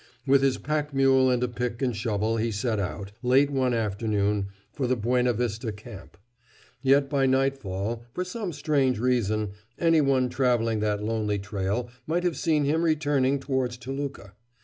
With his pack mule and a pick and shovel he set out, late one afternoon, for the Buenavista Camp. Yet by nightfall, for some strange reason, any one traveling that lonely trail might have seen him returning towards Toluca.